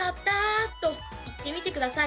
と言ってみてください。